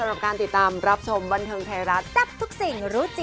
โอเคว่าง